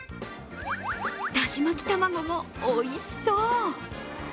だし巻き玉子もおいしそう！